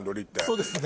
そうですね。